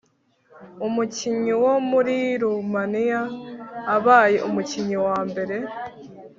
umukinnyiwo muri rumaniya abaye umukinnyi wa mbere